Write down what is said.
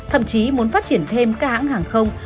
thậm chí muốn phát triển thêm các hãng hàng không